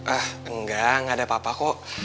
ah enggak ada apa apa kok